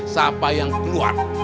siapa yang keluar